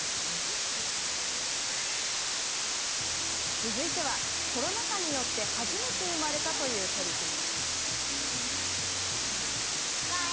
続いては、コロナ禍によって初めて生まれたという取り組み。